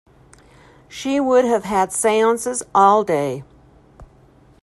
She would have had seances all day.